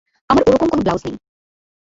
আমার ওরকম কোনো ব্লাউজ নেই।